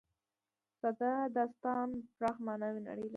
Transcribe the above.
ساده داستان پراخه معنوي نړۍ لري.